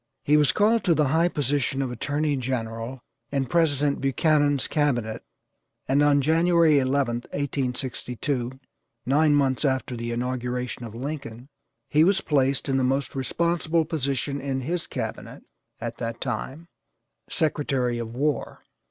He was called to the high position of attorney general in President Buchanan's cabinet, and on January 11th, 1862, nine months after the inauguration of Lincoln, he was placed in the most responsible position in his cabinet at that time, Secretary of War.